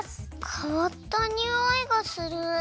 かわったにおいがする。